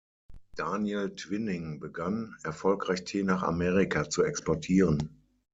Daniel Twining begann, erfolgreich Tee nach Amerika zu exportieren.